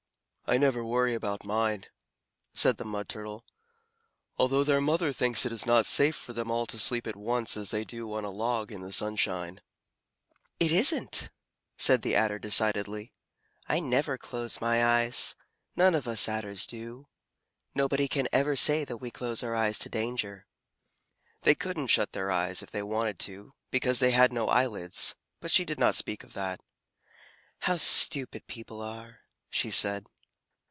"I never worry about mine," said the Mud Turtle, "although their mother thinks it is not safe for them all to sleep at once, as they do on a log in the sunshine." "It isn't," said the Adder decidedly. "I never close my eyes. None of us Adders do. Nobody can ever say that we close our eyes to danger." They couldn't shut their eyes if they wanted to, because they had no eyelids, but she did not speak of that. "How stupid people are," she said.